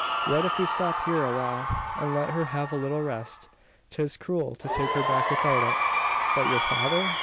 What if we stop here a while, and let her have a little rest? 'Tis cruel to take her back without it." "But your father?